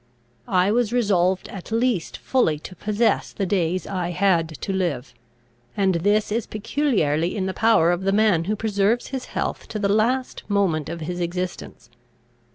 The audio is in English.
I was resolved at least fully to possess the days I had to live; and this is peculiarly in the power of the man who preserves his health to the last moment of his existence.